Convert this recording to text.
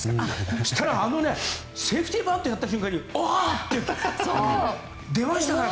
そうしたら、セーフティーバントやった瞬間にあー！って声が出ましたから。